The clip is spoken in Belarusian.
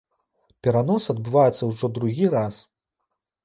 Перанос адбываецца ўжо другі раз.